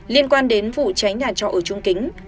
liên quan đến vụ cháy nhà trọ ở trung kính